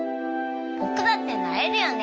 僕だってなれるよね？